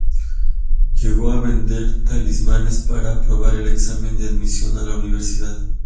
Llegó a vender talismanes para aprobar el examen de admisión a la universidad.